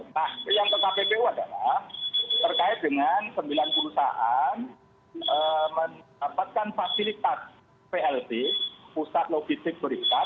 nah yang ke kppo adalah terkait dengan sembilan puluh an mendapatkan fasilitas plb pusat logistik berikat